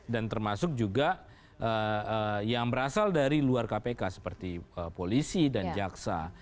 dan termasuk juga yang berasal dari luar kpk seperti polisi dan jaksa